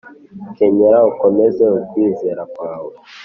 kenyera ukomeze ukwizera kwawe